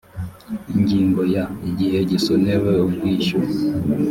ingingo ya igihe gisonewe ubwishyu